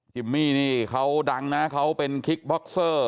มมี่นี่เขาดังนะเขาเป็นคิกบ็อกเซอร์